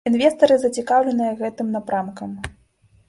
Інвестары зацікаўленыя гэтым напрамкам.